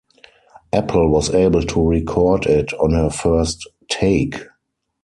Apple was able to record it on her first take.